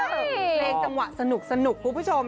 เพลงจังหวะสนุกคุณผู้ชม